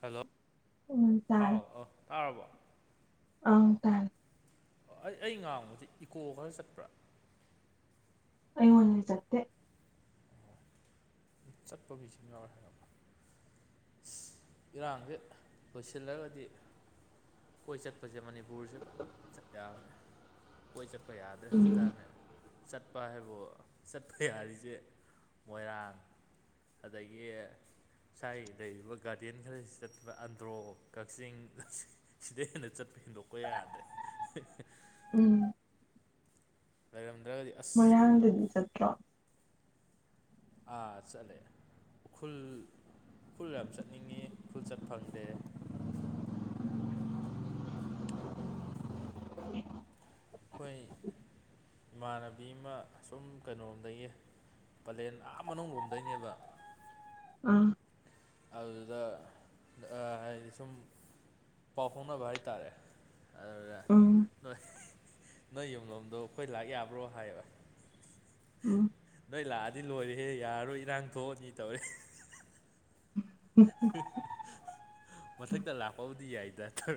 Hello ꯎꯝ ꯑꯥꯎ ꯑꯥ ꯇꯥꯔ꯭ꯕꯣ ꯑꯩ ꯇꯥꯔꯦ ꯑꯩ ꯑꯩ ꯉꯥꯡꯕꯕꯁꯤ ꯏꯀꯣ ꯈꯔ ꯆꯠꯄ꯭ꯔꯥ ꯑꯩꯣꯟꯟꯖꯦ ꯆꯠꯄ ꯃꯤꯁꯨ ꯌꯥꯎꯔꯦ ꯏꯔꯥꯡꯁꯦ ꯂꯣꯏꯁꯤꯜꯂꯒꯗꯤ ꯀꯣꯏ ꯆꯠꯄꯁꯦ ꯃꯅꯤꯄꯨꯔꯁꯦ ꯆꯠ ꯌꯥꯝꯃꯦ ꯀꯣꯏ ꯆꯠꯄ ꯌꯥꯗ꯭ꯔꯦ ꯎꯝ ꯍꯧꯖꯤꯛꯀꯥꯟꯅꯦ ꯆꯠꯄ ꯍꯥꯏꯕꯨ ꯆꯠꯄ ꯌꯥꯔꯤꯁꯦ ꯃꯣꯏꯔꯥꯡ ꯑꯗꯒꯤ ꯁꯥꯏ ꯂꯩꯔꯤꯕ ꯒꯥꯔꯗꯦꯟ ꯈꯔꯁꯤ ꯆꯠꯄ ꯑꯟꯗ꯭ꯔꯣ ꯀꯛꯆꯤꯡ ꯁꯤꯗꯩ ꯍꯦꯟꯅ ꯆꯠꯄ ꯍꯦꯟꯗꯣꯛꯄ ꯌꯥꯗ꯭ꯔꯦ ꯎꯝ ꯂꯩꯔꯝꯗ꯭ꯔꯒꯗꯤ ꯑꯁ ꯃꯌꯥꯡꯗꯗꯤ ꯆꯠꯇ꯭ꯔꯣ ꯑꯥ ꯆꯠꯂꯦ ꯎꯈ꯭ꯔꯨꯜ ꯎꯈ꯭ꯔꯨꯜ ꯌꯥꯝ ꯆꯠꯅꯤꯡꯉꯤ ꯎꯈ꯭ꯔꯨꯜ ꯆꯠ ꯐꯪꯗꯦ ꯑꯩꯈꯣꯏ ꯏꯃꯥꯟꯅꯕꯤ ꯑꯃ ꯁꯨꯝ ꯀꯩꯅꯣꯝꯗꯒꯤ ꯄꯂꯦꯟ ꯑꯥ ꯃꯅꯨꯡ ꯂꯣꯝꯗꯩꯅꯦꯕ ꯎꯝ ꯑꯗꯨꯗ ꯍꯥꯏꯗꯤ ꯁꯨꯝ ꯄꯥꯎ ꯐꯥꯎꯅꯕ ꯍꯥꯏꯇꯥꯔꯦ ꯑꯗꯨꯗ ꯎꯝ ꯅꯣꯏ ꯅꯣꯏ ꯌꯨꯝꯂꯣꯝꯗꯣ ꯑꯩꯈꯣꯏ ꯂꯥꯛ ꯌꯥꯕ꯭ꯔꯣ ꯍꯥꯏꯕ ꯎꯝ ꯅꯣꯏ ꯂꯥꯛꯑꯗꯤ ꯂꯣꯏꯔꯦꯍꯦ ꯌꯥꯔꯔꯣꯏ ꯏꯔꯥꯡ ꯊꯣꯛꯑꯅꯤ ꯇꯧꯔꯦ ꯃꯊꯛꯇ ꯂꯥꯛꯄꯕꯨꯗꯤ ꯌꯥꯏꯗꯔ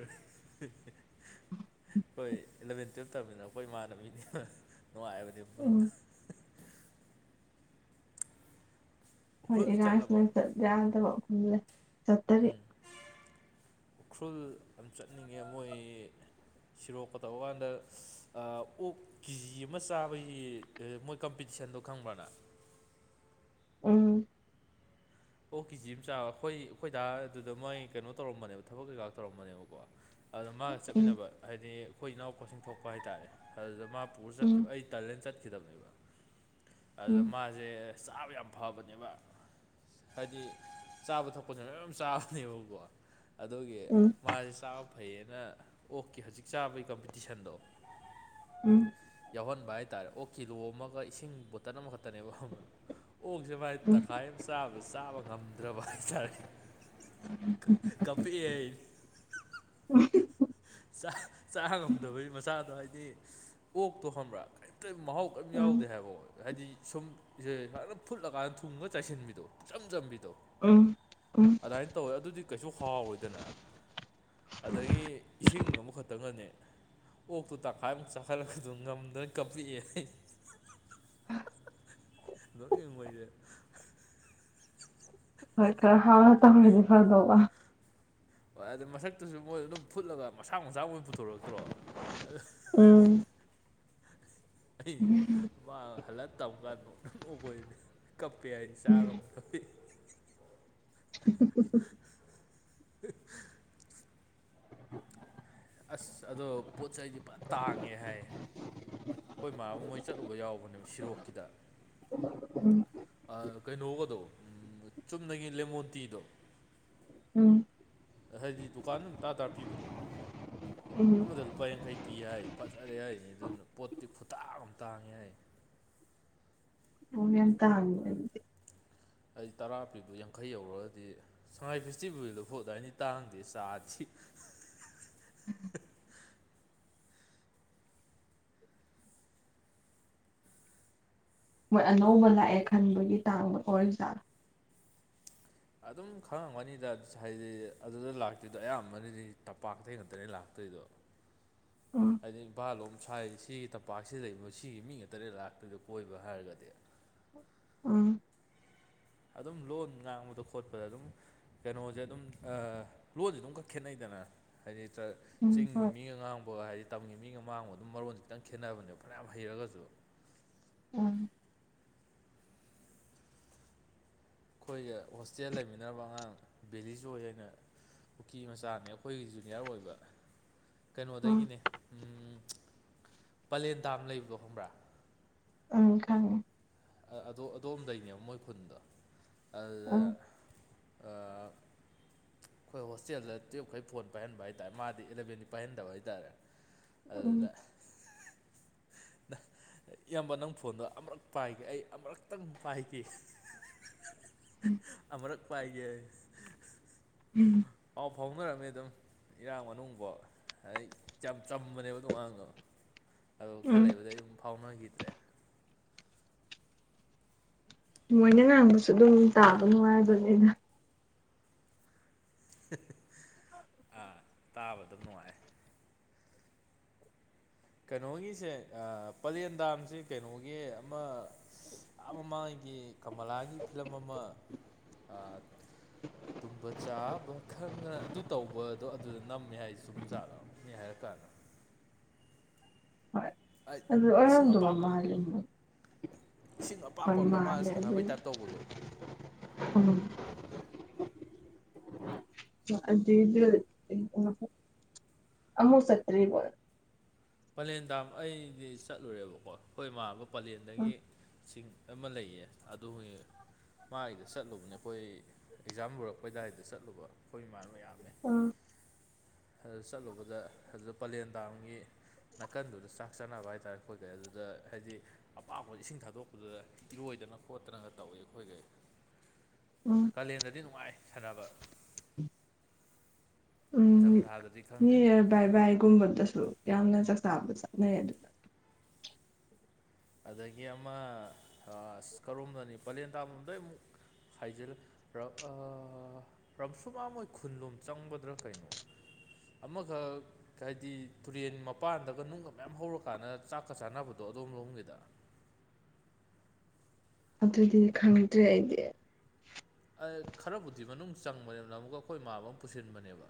ꯑꯩꯈꯣꯏ ꯏꯂꯚꯦꯟ ꯇꯨꯌꯦꯜꯞ ꯇꯔꯕꯅꯤꯅ ꯑꯩꯈꯣꯏ ꯏꯃꯥꯅ ꯃꯤꯅꯤ ꯅꯨꯡꯉꯥꯏꯕꯅꯤ ꯎꯝ ꯄꯨꯟꯕ ꯎꯈ꯭ꯔꯨꯜ ꯍꯣꯏꯅꯤ ꯔꯁ ꯆꯠꯂꯕꯣ ꯂ ꯆ ꯌꯥ ꯑꯗꯨꯝ ꯎꯝ ꯎꯈ꯭ꯔꯨꯜ ꯌꯥꯝ ꯆꯠꯅꯤꯡꯉꯦ ꯃꯣꯏ ꯁꯤꯔꯣꯛꯄ ꯇꯧꯕ ꯀꯥꯟꯗ ꯑꯣꯛ ꯀꯤꯖꯤ ꯑꯃ ꯆꯥꯕꯒꯤ ꯃꯣꯏ ꯀꯝꯄꯤꯇꯤꯁꯟꯗꯣ ꯈꯪꯕ꯭ꯔꯅꯪ ꯎꯝ ꯑꯣꯛ ꯀꯦꯖꯤ ꯑꯃꯆꯥꯥ ꯑꯩꯈꯣꯏ ꯑꯩꯈꯣꯏ ꯗꯥ ꯑꯗꯨꯗ ꯃꯣꯏ ꯀꯩꯅꯣ ꯇꯧꯔꯝꯕꯅꯦꯕ ꯊꯕꯛ ꯀꯩꯀꯥ ꯇꯧꯔꯝꯕꯅꯦꯕꯀꯣ ꯑꯗꯨꯅ ꯃꯥꯒ ꯎꯝ ꯆꯠꯃꯤꯟꯅꯕ ꯍꯥꯏꯗꯤ ꯑꯩꯈꯣꯏ ꯏꯅꯥꯎꯄꯥꯁꯤꯡ ꯊꯣꯛꯄ ꯍꯥꯏꯇꯥꯔꯦ ꯑꯗꯨꯗ ꯃꯥ ꯄꯨꯔ ꯎꯝ ꯆꯠꯈꯤꯕ ꯑꯩ ꯇꯂꯦꯟ ꯆꯠꯈꯤꯗꯕꯅꯦꯕ ꯑꯗꯨꯗ ꯎꯝ ꯃꯥꯁꯦ ꯆꯥꯕ ꯌꯥꯝ ꯐꯕꯅꯦꯕ ꯍꯥꯏꯗꯤ ꯆꯥꯕ ꯊꯛꯄꯁꯤꯅ ꯂꯣꯏ ꯌꯥꯝ ꯆꯥꯕꯅꯦꯕꯀꯣ ꯑꯗꯨꯒꯤ ꯎꯝ ꯃꯥꯁꯦ ꯆꯥꯕ ꯐꯩꯌꯦꯅ ꯑꯣꯛꯀꯤ ꯍꯧꯖꯤꯛ ꯆꯥꯕꯒꯤ ꯀꯝꯄꯤꯇꯤꯁꯟꯗꯣ ꯎꯝ ꯌꯥꯎꯍꯟꯕ ꯍꯥꯏꯇꯥꯔꯦ ꯑꯣꯛꯀꯤꯂꯣ ꯑꯃꯒ ꯏꯁꯤꯡ ꯕꯣꯇꯜ ꯑꯃꯈꯛꯇ ꯈꯇꯅꯦꯕ ꯑꯣꯛꯁꯦ ꯃꯥꯥꯏ ꯇꯪꯈꯥꯏ ꯑꯃꯕ ꯆꯥꯕ ꯉꯝꯗ꯭ꯔꯕ ꯍꯥꯏꯇꯥꯔꯦ ꯀꯞꯄꯤꯌꯦ [unintelligible] ꯥꯆꯥ ꯆꯥ ꯉꯝꯗꯕꯒꯤ ꯃꯆꯥꯗꯣ ꯍꯥꯏꯗꯤ ꯑꯣꯛꯛꯇꯣ ꯈꯪꯕ꯭ꯔꯥ ꯀꯣ ꯃꯍꯥꯎ ꯀꯔꯤꯝ ꯎꯝ ꯌꯥꯎꯗꯦ ꯍꯥꯏꯕ ꯍ ꯍꯥꯏꯗꯤ ꯁꯨꯝ ꯏꯁꯦ ꯑꯗꯨꯝ ꯐꯨꯠꯂꯀꯥꯟꯗ ꯊꯨꯝ ꯈꯔ ꯆꯥꯏꯁꯤꯟꯕꯤꯗꯣ ꯏꯆꯝ ꯆꯝꯕꯤꯗꯣ ꯎ ꯎ ꯑꯗꯨꯃꯥꯏꯅ ꯇꯧꯋꯦ ꯑꯗꯨꯗꯤ ꯀꯩꯁꯨ ꯍꯥꯎꯔꯣꯏꯗꯅ ꯑꯗꯒꯤ ꯏꯁꯤꯡ ꯑꯃꯈꯛꯇꯪꯒꯅꯤ ꯑꯣꯛꯇꯨ ꯇꯪꯈꯥꯏ ꯑꯃꯨꯛ ꯆꯥꯈꯜꯂꯛꯄꯗꯨ ꯉꯝꯗꯅ ꯀꯞꯂꯛꯑꯦ ꯑꯩ [unintelligible] ꯃꯣꯏꯁꯦ ꯍꯣꯏ ꯀꯔ ꯍꯥꯎꯔ ꯇꯧꯔꯗꯤ ꯐꯗꯕ ꯍꯣꯏ ꯑꯗꯨ ꯃꯁꯛꯇꯨꯁꯨ ꯃꯣꯏ ꯑꯗꯨꯝ ꯐꯨꯠꯂꯒ ꯃꯁꯥ ꯃꯁꯥ ꯃꯣꯏ ꯄꯨꯊꯣꯔꯛꯇ꯭ꯔꯣ ꯎꯝ ꯑꯩ ꯎꯝ ꯃꯥ ꯍꯜꯂꯛ ꯑ ꯇꯝ ꯀꯥꯟꯗ ꯅꯪ ꯅꯈꯣꯏꯅꯤ ꯀꯞꯄꯦ ꯍꯥꯏꯅ ꯎꯝ ꯆꯥꯡ ꯑꯃ ꯍꯥꯄꯤ [unintelligible] [unintelligible] [unintelligible] ꯑꯁ ꯑꯗꯣ ꯄꯣꯠ ꯆꯩꯗꯤ ꯐꯟ ꯇꯥꯡꯉꯦ ꯍꯥꯏ꯫ ꯍꯣꯏ ꯃꯥꯕꯨ ꯃꯣꯏ ꯆꯠꯂꯨꯕ ꯌꯥꯎꯕꯅꯦꯕ ꯁꯤꯔꯣꯛꯀꯤꯗ꯫ ꯑ ꯀꯩꯅꯣꯒꯗꯣ ꯆꯨꯝꯅꯒꯤ ꯂꯦꯃꯣꯟ ꯇꯤꯗꯣ꯫ ꯎꯝ꯫ ꯍꯥꯏꯗꯤ ꯗꯨꯀꯥꯟ ꯑꯗꯨꯝ ꯇꯔꯥ ꯇꯔꯥ ꯄꯤꯕꯗꯣ ꯎꯝ ꯑꯃ ꯂꯨꯄꯥ ꯌꯥꯡꯈꯩ ꯄꯤ ꯍꯥꯏ ꯐꯥꯖꯔꯦ ꯍꯥꯏ ꯑꯗꯨꯅ ꯄꯣꯠꯇꯤ ꯈꯨꯇꯥꯛ ꯑꯃ ꯇꯥꯡꯉꯦ ꯍꯥꯏ꯫ [unintelligible] ꯍꯥꯏꯗꯤ ꯇꯔꯥ ꯄꯤꯕꯗꯣ ꯌꯥꯡꯈꯩ ꯌꯧꯔꯛꯑꯗꯤ꯫ ꯁꯉꯥꯏ ꯐꯦꯁꯇꯤꯚꯦꯜ ꯗꯨꯐꯥꯎ ꯑꯗꯥꯏꯅꯥꯗꯤ ꯇꯥꯡꯗꯦ ꯆꯥꯗꯤ꯫ [inaudible] ꯃꯣꯏ ꯑꯅꯧꯕ ꯂꯥꯛꯑꯦ ꯈꯟꯕꯒꯤ ꯇꯥꯡꯕ ꯑꯣꯏ ꯖꯥꯠꯂꯥ꯫ ꯑꯗꯨꯝ ꯈꯪꯉꯝꯒꯅꯤꯗ ꯍꯥꯏꯗꯤ ꯑꯗꯨꯗ ꯂꯥꯛꯇꯣꯏꯗꯣ ꯑꯌꯥꯝꯕꯅꯗꯤ ꯇꯝꯄꯥꯛꯇ ꯉꯥꯛꯇꯅꯤ ꯂꯥꯛꯇꯣꯏꯗꯣ꯫ ꯎꯝ ꯍꯥꯏꯗꯤ ꯏꯚꯥꯜꯂꯣꯝ ꯁꯥꯏꯗ ꯁꯤ ꯄꯥꯛꯁꯤꯗ ꯂꯩꯕ ꯁꯤꯒꯤ ꯃꯤ ꯉꯥꯛꯇꯥꯅꯦ ꯂꯥꯛꯇꯣꯏꯗ ꯀꯣꯏꯕ ꯍꯥꯏꯔꯒꯗꯤ꯫ ꯎꯝ꯫ ꯑꯗꯨꯝ ꯂꯣꯟ ꯉꯥꯡꯕꯗꯣ ꯈꯣꯠꯄꯗ ꯑꯗꯨꯝ ꯀꯩꯅꯣꯁꯦ ꯑꯗꯨꯝ ꯂꯣꯟꯁꯦ ꯑꯗꯨꯝ ꯈꯔꯥ ꯈꯦꯠꯅꯩꯗꯅ꯫ ꯍꯥꯏꯗꯤ ꯎꯝ ꯆꯤꯡꯒꯤ ꯍꯣꯏ ꯃꯤ ꯉꯥꯡꯕ ꯍꯥꯏꯗꯤ꯫ ꯇꯝꯒꯤ ꯃꯤꯒ ꯃꯥꯡꯕ ꯑꯗꯨꯝ ꯃꯔꯣꯟ ꯈꯤꯇꯪ ꯈꯦꯠꯅꯕꯅꯦꯕ ꯐꯅꯌꯥꯝ ꯍꯩꯔꯒꯁꯨ꯫ [unintelligible] ꯈꯣꯏꯗꯥ ꯍꯣꯁꯇꯦꯜ ꯂꯩꯃꯤꯟꯅꯔꯝꯕꯥ ꯑꯉꯥꯡ ꯚꯦꯂꯤꯖꯣꯏ ꯍꯥꯏꯅ ꯀꯨꯀꯤ ꯃꯆꯥꯅꯦ ꯑꯩꯈꯣꯏꯒꯤ ꯖꯨꯅꯤꯌꯔ ꯑꯣꯏꯕ꯫ ꯎꯝ ꯀꯩꯅꯣꯗꯒꯤꯅꯦ ꯄꯂꯦꯟ ꯗꯥꯝ ꯂꯩꯕꯗꯣ ꯈꯪꯕ꯭ꯔꯥ꯫ ꯎꯝ ꯈꯪꯉꯦ꯫ ꯑꯥ ꯑꯗꯣꯝꯗꯒꯤꯅꯦꯕꯥ ꯃꯣꯏ ꯈꯨꯟꯗꯣ ꯑꯗꯨꯗ ꯎꯝ ꯑꯈꯣꯏ ꯍꯣꯁꯇꯦꯜꯗꯥ ꯇꯨꯌꯦꯞꯈꯩ ꯐꯣꯟ ꯄꯥꯏꯍꯟꯕ ꯍꯥꯏ ꯇꯥꯔꯦ ꯃꯥꯗꯤ ꯑꯦꯂꯥꯕꯦꯟꯗꯤ ꯄꯥꯏꯍꯟꯗꯕꯥ ꯍꯥꯏꯇꯥꯔꯦ ꯑꯗꯨꯗ ꯎꯝ ꯏꯌꯥꯝꯕ ꯅꯪ ꯐꯣꯟꯗꯣ ꯑꯃꯨꯔꯛ ꯄꯥꯏꯒꯦ ꯑꯩ ꯑꯃꯨꯔꯛꯇꯪ ꯄꯥꯏꯒꯦ ꯑꯃꯨꯔꯛ ꯄꯥꯏꯒꯦ ꯍ [unintelligible] ꯎꯝ꯫ ꯄꯥꯎ ꯐꯥꯎꯅꯔꯝꯃꯦ ꯑꯗꯨꯝ ꯏꯔꯥꯡ ꯃꯅꯨꯡꯐꯥꯎ ꯍꯥꯏꯗꯤ ꯌꯥꯝ ꯆꯝꯕꯅꯦꯕ ꯑꯗꯨ ꯑꯉꯥꯡꯗꯣ꯫ ꯑꯗꯨꯝ ꯈꯔ ꯎꯝ ꯂꯩꯕꯗꯒꯤ ꯑꯗꯨꯝ ꯐꯥꯎꯅꯈꯤꯗ꯭ꯔꯦ꯫ ꯃꯣꯏꯅ ꯉꯥꯡꯕꯁꯨ ꯑꯗꯨꯝ ꯇꯥꯕ ꯅꯨꯡꯉꯥꯏꯕꯅꯦꯗ ꯑꯥꯥ ꯇꯥꯕ ꯗꯨꯝ ꯅꯨꯉꯥꯏ꯫ ꯀꯩꯅꯣꯒꯤꯁꯦ ꯄꯂꯦꯟꯗꯥꯝꯁꯦ ꯀꯩꯅꯣꯒꯤ ꯑꯃꯥ꯫ ꯑꯥ ꯃꯃꯥꯡꯉꯒꯤ ꯀꯃꯂꯥꯒꯤ ꯐꯤꯂꯝ ꯑꯃꯥ ꯇꯨꯝꯕ ꯆꯥꯕ ꯈꯪꯗꯅ ꯑꯗꯨ ꯇꯧꯕꯗꯣ ꯑꯗꯨꯗ ꯅꯝꯃꯦ ꯍꯥꯏ ꯆꯨꯝ ꯖꯥꯠꯂꯣ ꯅꯤ ꯍꯥꯏꯔ ꯀꯥꯟꯗ ꯍꯣꯏ ꯑꯗꯨ ꯏꯁꯤꯡ ꯑꯣꯏꯔꯝꯗꯕ ꯑꯄꯥꯛꯄ ꯃꯥꯜꯂꯦ ꯏꯁꯤꯡ ꯍꯣꯏ ꯑꯄꯥꯛꯄꯥ ꯑꯝꯗꯥ ꯃꯥꯅ ꯃꯥꯜꯂꯦ ꯑꯗꯨ ꯁꯥꯟꯅꯕꯩ ꯇꯥꯏꯞ ꯇꯧꯕꯗꯣ ꯎꯝ [unintelligible] ꯑꯃꯨꯛ ꯆꯠꯇꯔꯤꯕꯣ꯫ ꯄꯂꯦꯟ ꯗꯥꯝ ꯑꯩꯗꯤ ꯆꯠꯂꯨꯔꯦꯕꯀꯣ ꯑꯩꯈꯣꯏ ꯏꯃꯥꯥꯟꯅꯕ ꯎꯝ ꯄꯥꯂꯦꯟꯗꯒꯤ꯫ ꯁꯤꯡ ꯑꯃꯥ ꯂꯩꯌꯦ ꯑꯗꯨ ꯃꯥꯒꯤꯗ ꯆꯠꯂꯨꯕꯅꯦ ꯑꯩꯈꯣꯏ ꯑꯦꯛꯖꯥꯝ ꯂꯣꯏꯔꯛꯄꯩ ꯗꯥꯏꯗ ꯆꯠꯂꯨꯕ ꯑꯩꯈꯣꯏ ꯏꯃꯥꯅꯕ ꯃꯌꯥꯝ ꯌꯥꯝꯃꯦ ꯎꯝ꯫ ꯑꯗꯨ ꯆꯠꯂꯨꯕꯗ ꯑꯗꯨꯗ ꯄꯂꯦꯟ ꯗꯥꯝꯒꯤ ꯅꯥꯀꯟꯗꯨꯗ ꯆꯥꯛ ꯆꯥꯅꯕ ꯍꯥꯏꯇꯥꯔꯦ ꯑꯈꯣꯏꯒꯧ ꯑꯗꯨꯗ ꯍꯥꯏꯗꯤ ꯑꯄꯥꯛꯄꯥ ꯏꯁꯤꯡ ꯊꯥꯗꯣꯛꯄꯗꯨꯗ ꯏꯔꯣꯏꯗꯅ ꯈꯣꯠꯇꯅꯒ ꯇꯧꯋꯦ ꯑꯈꯣꯏꯒꯩ꯫ ꯎꯝ ꯀꯥꯂꯦꯟꯗꯗꯤ ꯅꯨꯡꯉꯥꯏ ꯁꯥꯟꯅꯕ [inaudible] ꯎꯝ ꯅꯤꯡꯊꯝꯊꯥꯗꯗꯤ ꯈꯪꯗꯦ ꯅꯤꯎꯌꯥꯔ ꯕꯥꯏ ꯕꯥꯏ ꯒꯨꯝꯕꯗꯁꯨ ꯌꯥꯝꯅ ꯆꯥꯛ ꯆꯥꯕ ꯆꯠꯅꯩ ꯑꯗꯨꯗꯥ ꯑꯗꯒꯤ ꯑꯃ ꯀꯔꯣꯝꯗꯅꯤ ꯄꯂꯦꯟ ꯇꯥꯕꯝꯗꯩ ꯑꯃꯨꯛ ꯍꯥꯏꯖꯤꯂ ꯄ꯭ꯔꯝꯁꯨꯃ ꯃꯣꯏ ꯈꯨꯟꯂꯣꯝ ꯆꯪꯕꯗ꯭ꯔꯥ ꯀꯩꯅꯣ ꯑꯃꯒ ꯍꯥꯏꯗꯤ ꯇꯨꯔꯦꯟ ꯃꯄꯥꯟꯗꯒ ꯅꯨꯡꯒ ꯃꯌꯥꯝ ꯍꯧꯔꯀꯥꯟꯗ ꯆꯥꯛꯀ ꯆꯥꯅꯕꯗꯣ ꯑꯗꯨꯣꯝ ꯂꯧꯒꯦ ꯗ ꯑꯗꯨꯗꯤ ꯈꯪꯗ꯭ꯔꯦ ꯑꯩꯗꯤ ꯈꯔꯕꯨꯗꯤ ꯃꯅꯨꯡ ꯆꯪꯕꯅꯦꯕꯅ ꯑꯃꯨꯛꯀ ꯑꯩꯈꯣꯏ ꯏꯃꯥꯕ ꯑꯃ ꯄꯨꯁꯤꯟꯕꯅꯦꯕ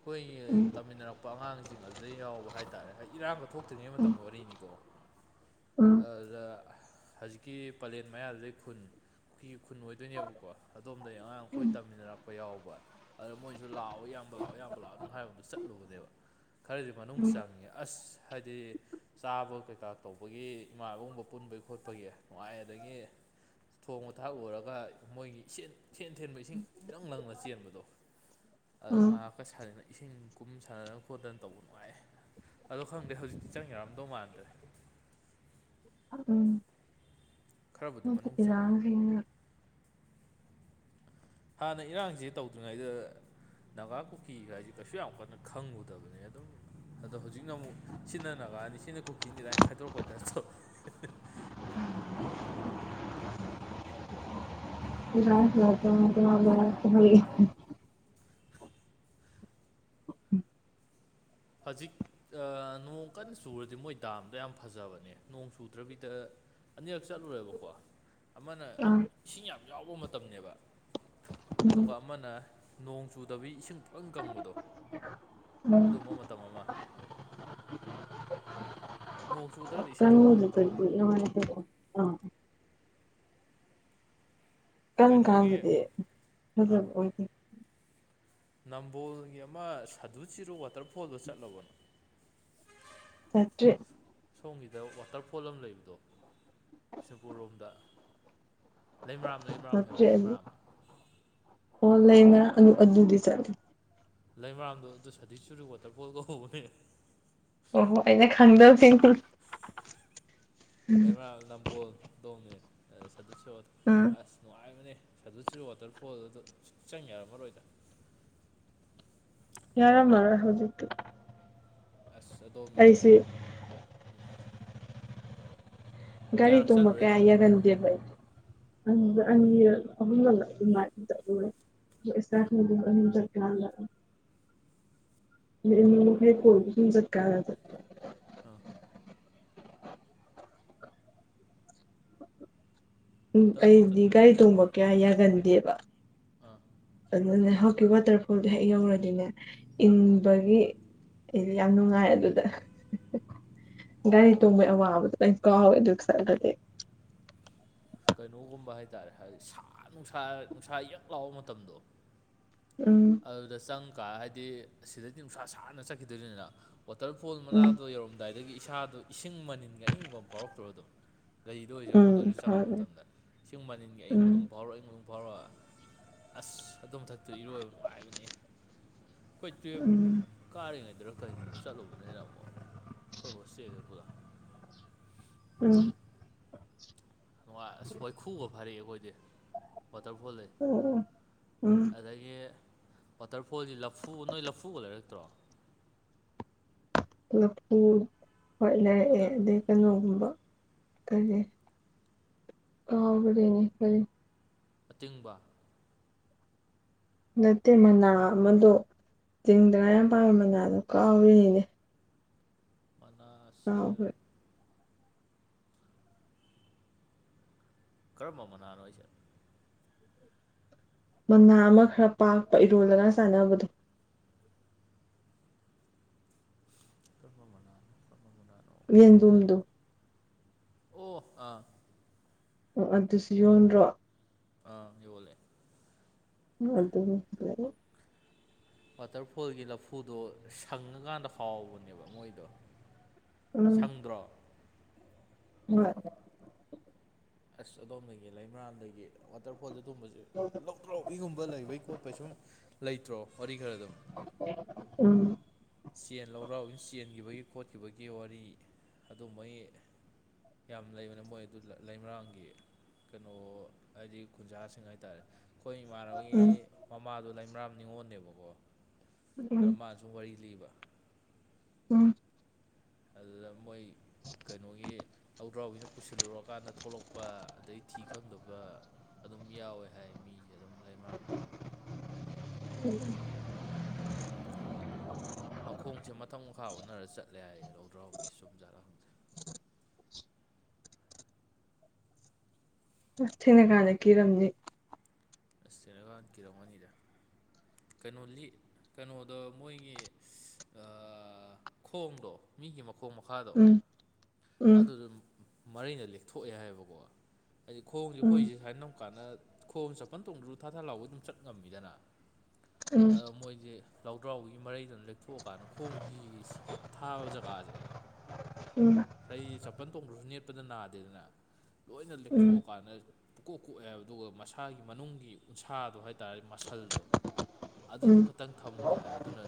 ꯑꯩꯈꯣꯏ ꯎꯝ ꯇꯝꯃꯤꯟꯅꯔꯛꯄ ꯑꯉꯥꯡꯁꯤꯡ ꯑꯗꯨꯗꯩ ꯌꯥꯎꯕ ꯍꯥꯏꯇꯥꯔꯦ ꯏꯔꯥꯡꯒ ꯊꯣꯛ ꯐꯠꯇ꯭ꯔꯤꯉꯩ ꯎꯝ ꯃꯇꯝꯒꯤ ꯋꯥꯔꯤꯅꯤꯀꯣ ꯎꯝ ꯑꯗꯨꯗ ꯍꯧꯖꯤꯛꯀꯤ ꯄꯂꯦꯟ ꯃꯌꯥꯗꯨꯗꯩ ꯈꯨꯟ ꯐꯤ ꯈꯨꯟ ꯑꯣꯏꯗꯣꯏꯅꯦꯕꯀꯣ ꯑꯗꯣꯝꯗꯒꯤ ꯑꯉꯥꯡ ꯑꯩꯈꯣꯏ ꯇꯝꯃꯤꯟꯅꯔꯛꯄ ꯌꯥꯎꯕ ꯑꯗꯨꯗ ꯃꯣꯏꯁꯨ ꯂꯥꯛꯑꯣ ꯌꯥꯝ ꯑꯌꯥꯝꯕ ꯂꯥꯛꯑꯣ ꯑꯌꯥꯝꯕ ꯂꯥꯛꯑꯣ ꯑꯗꯨꯝ ꯍꯥꯏꯕꯗꯨ ꯆꯠꯂꯨꯕꯅꯦꯕ ꯈꯔꯗꯤ ꯃꯅꯨꯡ ꯎꯝ ꯆꯪꯉꯦ ꯑꯁ ꯍꯥꯏꯗꯤ ꯆꯥꯕ ꯀꯩꯀꯥ ꯇꯧꯕꯒꯤ ꯏꯃꯥꯅꯕꯒꯨꯝꯕ ꯄꯨꯟꯕꯒꯤ ꯈꯣꯠꯄꯒꯤ ꯅꯨꯡꯉꯥꯏ ꯑꯗꯒꯤ ꯊꯣꯡꯕ ꯊꯥꯛ ꯎꯔꯒ ꯃꯣꯏꯒꯤ ꯏ ꯁꯦꯟ ꯊꯦꯟꯕ ꯏꯁꯤꯡ ꯏꯔꯪ ꯂꯪꯅ ꯆꯦꯟꯕꯗꯣ ꯑꯗꯨꯅ ꯎꯝ ꯉꯥꯏꯍꯥꯛ ꯄꯀꯠ ꯁꯥꯗꯅ ꯏꯁꯤꯡ ꯀꯨꯝ ꯁꯥꯟꯅꯗꯅ ꯈꯣꯠꯇꯅ ꯇꯧꯕ ꯅꯨꯡꯉꯥꯏꯦ ꯑꯗꯣ ꯈꯪꯗꯦ ꯍꯧꯖꯤꯛꯇꯤ ꯆꯪ ꯌꯥꯔꯝꯗꯧ ꯃꯥꯟꯗ꯭ꯔꯦ ꯎꯝ ꯈꯔꯕꯨꯗꯤ ꯃꯅꯨꯡ ꯆꯪꯉꯦ ꯂꯥꯡ ꯍꯥꯟꯅ ꯏꯔꯥꯡꯁꯦ ꯇꯧꯗ꯭ꯔꯤꯉꯩꯗ ꯅꯥꯪꯒꯥ ꯀꯨꯀꯤ ꯍꯥꯏꯁꯤꯦ ꯀꯩꯁꯨ ꯌꯥꯝ ꯀꯟꯅ ꯈꯪꯉꯨꯗꯕꯅꯦ ꯑꯗꯨꯝ ꯑꯗꯣ ꯍꯧꯖꯤꯛꯅ ꯑꯃꯨꯛ ꯁꯤ ꯅꯅꯥ ꯀꯅꯤ ꯁꯤꯅ ꯀꯨꯀꯤꯅꯤ ꯑꯗꯨꯥꯏꯅ ꯈꯥꯏꯗꯣꯔꯛꯄꯣꯏꯗ ꯇꯧꯑ [unintelligible] [unintelligible] ꯍꯧꯖꯤꯛ ꯅꯣꯡ ꯀꯟꯅ ꯆꯨꯔꯗꯤ ꯃꯣꯏ ꯗꯥꯝꯗꯣ ꯌꯥꯝ ꯐꯖꯕꯅꯦ ꯅꯣꯡ ꯆꯨꯗ꯭ꯔꯕꯤꯗ ꯑꯅꯤꯔꯛ ꯆꯠꯂꯨꯔꯦꯕꯀꯣ ꯑꯃꯅ ꯑꯥ ꯏꯁꯤꯡ ꯌꯥꯝ ꯌꯥꯎꯕ ꯃꯇꯝꯅꯦꯕ ꯑꯗꯨꯒ ꯑꯃꯅ ꯅꯣꯡ ꯆꯨꯗꯕꯤ ꯏꯁꯤꯡ ꯄꯂꯪ ꯀꯪꯕꯗꯣ ꯎꯝ ꯑꯗꯨꯝꯕ ꯃꯇꯝ ꯅꯣꯡ ꯆꯨꯗ꯭ꯔꯗꯤ ꯏꯁꯤꯡ ꯀꯥꯡꯂꯨꯞꯅ ꯇꯧꯕꯅꯤ [unintelligible] ꯀꯟ ꯀꯩꯅꯣꯒꯤ ꯀꯥꯟꯗꯗꯤ ꯐꯖꯕ ꯑꯣꯏꯗꯦ ꯅꯝꯕꯣꯜꯒꯤ ꯑꯃ ꯁꯥꯗꯨ ꯆꯤꯔꯨ ꯋꯥꯇꯔꯐꯣꯜꯗꯣ ꯆꯠꯂꯕꯅꯣ ꯆꯠꯇ ꯁꯣꯝꯒꯤꯗ ꯋꯥꯇꯔꯐꯣꯜ ꯑꯃ ꯂꯩꯕꯗꯣ ꯁꯒꯣꯜ ꯂꯣꯝꯗ ꯆꯦ ꯂꯩꯃꯔꯥꯝ ꯑꯣꯟꯂꯥꯏ ꯑꯕꯨꯗꯤ ꯆ ꯂꯩꯃꯔꯥꯝꯗꯣ ꯑꯗꯨ ꯁꯗꯤꯛ ꯆꯨꯔꯤ ꯋꯥꯇꯔꯐꯣꯜ ꯀꯧꯍꯧꯕꯅꯦ ꯑꯣꯍꯣ ꯑꯩꯅ ꯈꯪꯗꯕꯁ ꯀꯩꯃꯥ ꯅꯝꯕꯣꯜꯗꯣꯡꯅꯦ ꯑ ꯁꯠ ꯁꯣꯠ ꯎꯝ ꯑꯁ ꯅꯨꯡꯉꯥꯏꯕꯅꯦ ꯑꯗꯨꯁꯤ ꯋꯥꯇꯔꯐꯣꯜ ꯑꯗꯨꯗ ꯆꯪ ꯌꯥꯔꯝꯃꯔꯣꯏꯗ ꯌꯥꯔꯃ ꯃꯥꯔꯧꯏ ꯍꯧꯖꯤꯀꯇꯤ ꯑꯁ ꯑꯗꯣꯝꯅ ꯒꯥꯔꯤ ꯀꯌꯥꯔꯛ ꯊꯣꯡꯕ ꯆꯠꯂꯨꯔꯦ ꯀꯌꯥ ꯑꯗꯨꯗ ꯌꯥꯒꯟꯗꯦꯕ ꯑꯣ ꯑꯩꯗꯣ ꯑꯅꯤ [unintelligible] [unintelligible] ꯑꯥ ꯎꯝ ꯋꯥꯇꯔꯐꯣꯜ ꯑꯩꯗꯤ ꯆꯠꯄꯁꯦ ꯒꯥꯔꯤ ꯊꯣꯡꯕ ꯀꯌꯥ ꯎꯝ ꯌꯥꯒꯟꯗꯦꯕ ꯑꯥ ꯑꯗꯨꯅꯦ ꯍꯧꯖꯤꯛꯀꯤ ꯋꯥꯇꯔꯐꯣꯜꯗꯣ ꯍꯦꯛ ꯌꯧꯔꯗꯤꯅꯦ ꯏꯪꯕꯒꯤ ꯑꯩꯗꯤ ꯌꯥꯝ ꯅꯨꯡꯉꯥꯏ ꯑꯗꯨꯗ ꯒꯥꯔꯤ ꯇꯣꯡꯕꯒꯤ ꯑꯋꯥꯕꯗꯣ ꯂꫭꯏ ꯀꯥꯎꯋꯦ ꯑꯗꯨꯒꯤ ꯁꯋꯥꯏꯗꯗꯤ ꯀꯩꯅꯣꯒꯨꯝꯕ ꯍꯥꯏꯇꯥꯔꯦ ꯍꯥꯏꯗꯤ ꯁꯥ ꯅꯨꯡꯁꯥ ꯅꯨꯡꯁꯥ ꯌꯛ ꯂꯥꯎꯕ ꯃꯇꯝꯗꯣ ꯎꯝ ꯑꯗꯨꯗ ꯆꯪꯀꯥꯟ ꯍꯥꯏꯗꯤ ꯑꯁꯤꯗꯗꯤ ꯅꯨꯡꯁꯥ ꯁꯥꯡꯅ ꯆꯠꯈꯤꯗꯣꯏꯅꯤꯅ ꯋꯥꯇꯔꯐꯣꯜ ꯎꯝ ꯃꯅꯥꯗꯣ ꯌꯧꯔꯝꯗꯥꯏꯗꯒꯤ ꯏꯁꯥꯗꯣ ꯏꯁꯤꯡ ꯃꯅꯤꯟꯒ ꯑꯏꯪꯕ ꯐꯥꯎꯔꯛꯇ꯭ꯔꯣ ꯑꯗꯨꯝ ꯒꯥꯔꯤꯗ ꯑꯣꯏꯔꯁꯨ ꯑꯃꯗ ꯎꯝ ꯑꯣꯏꯔꯁꯨ ꯆꯪꯕ ꯐꯔꯦ ꯃꯇꯝꯗ ꯏꯁꯤꯡ ꯃꯅꯤꯟꯒꯤ ꯑꯌꯪꯕ ꯑꯗꯨꯝ ꯎꯝ ꯐꯥꯎꯔꯛꯑꯣ ꯑꯌꯤꯡꯕ ꯐꯥꯎꯔꯛ ꯑꯁ ꯑꯗꯨ ꯃꯊꯛꯇꯣ ꯏꯔꯣꯏꯕ ꯅꯨꯡꯉꯥꯏꯕꯅꯤꯍꯦ ꯑꯩꯈꫭꯏ ꯇꯨꯏꯌꯦꯞ ꯎꯝ ꯀꯥꯔꯤꯉꯩꯗꯔ ꯀꯩꯔꯤꯅꫭ ꯆꯠꯂꯨꯕꯅꯤꯅ ꯑꯃꯨꯛ ꯑꯩꯈꯣꯏ ꯍꯣꯁꯇꯦꯜꯖꯦ ꯄꯨꯂꯞ ꯎꯝ ꯅꯨꯡꯉꯥꯏ ꯑꯁ ꯋꯥꯏꯈꯨꯒ ꯐꯔꯛꯑꯦ ꯑꯩꯈꯣꯏꯗꯤ ꯋꯥꯇꯔꯐꯣꯜ ꯗꯩ ꯑꯣ ꯑꫭ ꯎꯝ ꯑꯗꯒꯤ ꯋꯥꯇꯔꯐꯣꯜꯒꯤ ꯂꯐꯨ ꯅꯣꯏ ꯂꯐꯨꯒ ꯂꯩꯔꯛꯇ꯭ꯔꯣ ꯃꯐꯨ ꯍꯣꯏ ꯂꯩꯔꯛꯑꯦ ꯋꯥꯇꯔ ꯑꯗꯩ ꯀꯩꯅꯣꯒꯨꯝꯕ ꯀꯔꯤ ꯀꯥꯎꯒꯔꯦꯅꯦ ꯀꯔꯤ ꯑꯇꯤꯡꯕ ꯅꯠꯇꯦ ꯃꯅꯥ ꯑꯃꯗꯣ ꯆꯤꯡꯗꯒꯥ ꯌꯥꯝ ꯑꯃ ꯄꯥꯟꯕ ꯃꯅꯥꯗꯣ ꯀꯥꯎꯔꯤꯅꯤꯅꯦ ꯃꯅꯥ ꯀꯥꯎꯒꯔꯦ ꯀꯔꯝꯕ ꯃꯅꯥꯅꯣ ꯍꯥꯏꯁꯦ ꯃꯅꯥ ꯑꯃ ꯈꯔ ꯄꯥꯛꯄ ꯏꯔꯣꯜꯂꯒ ꯆꯥꯟꯅꯕꯗꯣ ꯀꯔꯝꯕ ꯃꯅꯥ ꯀꯔꯝꯕ ꯃꯅꯥꯅꯏ ꯌꯦꯟꯗꯨꯝꯗꯣ ꯑꯣ ꯑꯥ ꯑꯣ ꯑꯗꯨꯁꯨ ꯌꯣꯟꯗ꯭ꯔꯣ ꯑ ꯌꫭꯜꯂꯦ ꯑꯗꯨ ꯑꯗꯨ [unintelligible] ꯋꯥꯇꯔꯐꯣꯜꯒꯤ ꯂꯐꯨꯗꯣ ꯁꯪꯉꯀꯥꯟꯗ ꯍꯥꯎꯕꯅꯦꯕ ꯃꯣꯏꯗꯣ ꯎꯝ ꯁꯪꯗ꯭ꯔꯣ ꯍꯣꯏ ꯑꯁ ꯑꯗꯣꯝꯗꯒꯤ ꯂꯩꯃꯔꯔꯥꯝꯗꯒꯤ ꯋꯥꯇꯔꯐꯣꯜꯁꯦ ꯑꯗꯨꯝꯕꯁꯦ ꯍꯗ [unintelligible] ꯇ꯭ꯔꯥꯎꯕꯤꯒꯨꯝꯕ ꯂꯩꯕꯩ ꯈꯣꯠꯄꯩ ꯁꯨꯝ ꯂꯩꯇ꯭ꯔꯣ ꯋꯥꯔꯤ ꯈꯔ ꯑꯗꯨꯝ ꯎꯝ ꯆꯦꯟ ꯂꯧꯔꯥꯎꯕꯤꯅ ꯆꯦꯟꯈꯤꯕꯒꯤ ꯈꯣꯠꯈꯤꯕꯒꯤ ꯋꯥꯔꯤ ꯑꯗꯨꯕꯩ ꯌꯥꯝ ꯂꯩꯕꯅꯦ ꯃꯣꯏ ꯑꯗꯨ ꯂꯩꯃꯔꯥꯝꯒꯤ ꯀꯩꯅꯣ ꯍꯥꯏꯗꯤ ꯈꯨꯟꯖꯥꯁꯤꯡ ꯍꯥꯏꯇꯥꯔꯦ ꯑꯩꯈꯣꯏ ꯏꯃꯥꯟꯅꯕꯒꯤ ꯎꯝ ꯃꯃꯥꯗꯣ ꯂꯩꯃꯔꯥꯝ ꯅꯤꯉꯣꯜꯅꯦꯕꯀꯣ ꯑꯗꯣ ꯎꯝ ꯃꯥꯅꯁꯨ ꯋꯥꯔꯤ ꯂꯤꯕ ꯎꯝ ꯑꯗꯨꯗ ꯃꯣꯏ ꯀꯩꯅꯣꯒꯤ ꯂꯧꯗ꯭ꯔꯥꯎꯕꯤꯅ ꯄꯨꯁꯤꯜꯂꯨꯔꯀꯥꯟꯗ ꯊꯣꯛꯂꯛꯄ ꯑꯗꯩ ꯊꯤ ꯈꯪꯗꯕ ꯑꯗꯨꯝ ꯌꯥꯎꯋꯦ ꯍꯥꯏ ꯃꯤꯁꯦ ꯑꯗꯨꯝ ꯂꯩꯃꯔꯥꯝ ꯎꯝ [unintelligible] ꯃꯈꯣꯡꯁꯦ ꯃꯊꯛ ꯃꯈꯥ ꯑꯣꯟꯅꯔ ꯆꯠꯂꯦ ꯍꯥꯏ ꯂꯧꯗ꯭ꯔꯥꯎꯕꯤꯁꯦ ꯆꯨꯝ ꯖꯥꯠꯂꫭ ꯑꯁ ꯊꯦꯡꯉ ꯀꯥꯟꯗ ꯀꯤꯔꯝꯅꯤ ꯑꯁ ꯇꯔꯀꯥꯟ ꯀꯤꯔꯝꯒꯅꯤꯗ ꯀꯩꯅꯣ ꯂꯤ ꯀꯩꯅꯣꯗꯣ ꯃꯣꯏꯒꯤ ꯈꯣꯡꯗꯣ ꯃꯤꯒꯤ ꯃꯈꯣꯡ ꯃꯈꯥꯗꯣ ꯎꯝ ꯎꯝ ꯑꯗꯨꯗꯨ ꯃꯔꯩꯅ ꯂꯦꯛꯊꯣꯛꯑꯦ ꯍꯥꯏꯕꯀꯣ ꯍꯥꯏꯗꯤ ꯈꯣꯡꯁꯦ ꯎꯝ ꯑꯩꯣꯏꯁꯦ ꯁꯨꯥꯏꯅ ꯀꯥꯟꯅ ꯈꯣꯝ ꯆꯥꯄꯟ ꯇꯣꯡꯗ꯭ꯔꯨ ꯊꯥ ꯊꯥ ꯂꯥꯎꯕ ꯑꯗꯨꯝ ꯆꯠ ꯉꯝꯃꯤꯗꯅ ꯎꯝ ꯑꯗꯣ ꯃꯣꯏꯁꯦ ꯂꯧꯗ꯭ꯔꯥꯎꯕꯒꯤ ꯃꯔꯩꯗꯨꯅ ꯂꯦꯛꯊꯣꯛꯑꯀꯥꯟꯗ ꯈꯣꯡꯒꯤ ꯁꯤꯒꯤ ꯑꯊꯥꯕ ꯖꯒꯥꯁꯦ ꯎꯝ ꯁꯩ ꯆꯄꯜ ꯊꯣꯡꯗ꯭ꯔꯁꯨ ꯅꯦꯠꯄꯗ ꯅꯥꯗꯦꯗꯅ ꯂꯣꯏꯅ ꯎꯝ ꯂꯦꯛꯊꯣꯛꯑꯀꯥꯟꯗ ꯄꯨꯀꯣꯛ ꯀꯣꯛꯑꯦꯕ ꯑꯗꯨꯒ ꯃꯁꯥꯒꯤ ꯃꯅꯨꯡꯒꯤ ꯎꯟꯁꯥꯗꯣ ꯍꯥꯏꯇꯥꯔꯦ ꯃꯁꯜꯗꯣ ꯎꯝ ꯑꯗꯨꯗꯨ ꯈꯛꯇꯪ ꯊꯝꯃꯦ ꯍꯥꯏꯕ ꯑꯗꯨꯅ